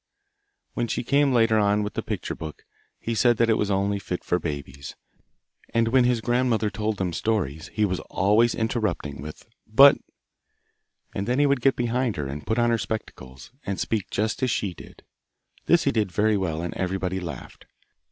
When she came later on with the picture book, he said that it was only fit for babies, and when his grandmother told them stories, he was always interrupting with, 'But ' and then he would get behind her and put on her spectacles, and speak just as she did. This he did very well, and everybody laughed.